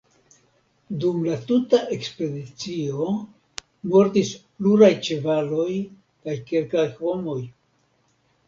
Dum la tuta ekspedicio mortis pluraj ĉevaloj kaj kelkaj homoj.